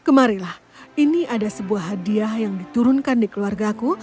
kemarilah ini adalah sebuah hadiah yang diturunkan di keluarga aku